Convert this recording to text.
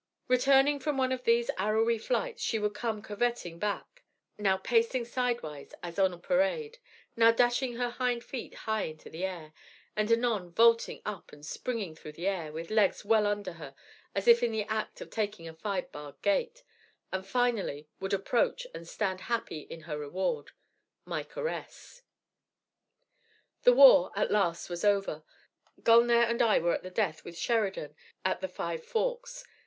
Returning from one of these arrowy flights, she would come curvetting back, now pacing sidewise as on parade, now dashing her hind feet high into the air, and anon vaulting up and springing through the air, with legs well under her, as if in the act of taking a five barred gate, and finally would approach and stand happy in her reward my caress. "The war, at last, was over, Gulnare and I were in at the death with Sheridan at the Five Forks.